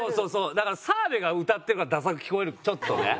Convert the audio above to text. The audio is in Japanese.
だから澤部が歌ってるからダサく聞こえるちょっとね。